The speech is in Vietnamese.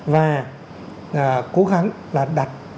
và cố gắng là đặt